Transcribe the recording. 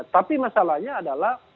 tapi masalahnya adalah